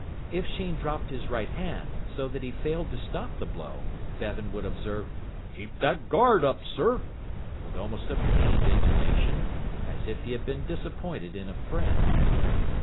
If Sheen dropped his right hand, so that he failed to stop the blow, Bevan would observe, "Keep that guard up, sir!" with almost a pained intonation, as if he had been disappointed in a friend.